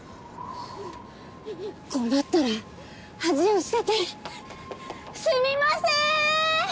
こうなったら恥を捨ててすみませーん！